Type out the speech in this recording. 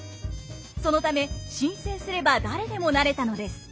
そのため申請すれば誰でもなれたのです。